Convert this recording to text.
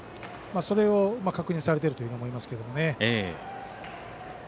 それを確認されていると思います。